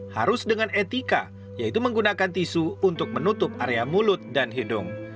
harus dengan etika yaitu menggunakan tisu untuk menutup area mulut dan hidung